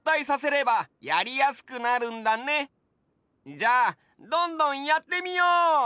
じゃあどんどんやってみよう！